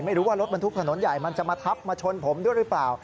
ไม่รู้ว่ารถบรรทุกถนนใหญ่มันจะมาทับมาชนผมด้วยหรือเปล่า